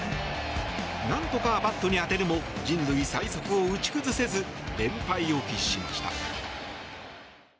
何とかバットに当てるも人類最速を打ち崩せず連敗を喫しました。